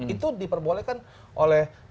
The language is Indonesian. itu diperbolehkan oleh